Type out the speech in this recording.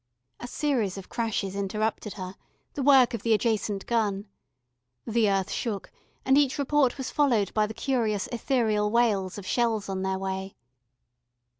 A series of crashes interrupted her, the work of the adjacent gun. The earth shook, and each report was followed by the curious ethereal wail of shells on their way.